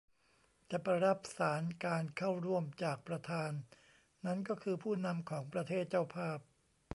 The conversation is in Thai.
จะไปรับสาส์นการเข้าร่วมจากประธาน นั้นก็คือผู้นำของประเทศเจ้าภาพ